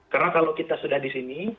karena kalau kita sudah di sini